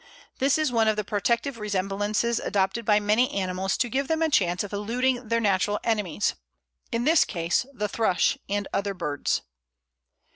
This is one of the protective resemblances adopted by many animals to give them a chance of eluding their natural enemies in this case the thrush and other birds.